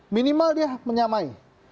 minimal dia menyamai